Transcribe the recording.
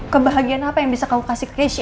kebahagiaan apa yang bisa kamu kasih ke keisha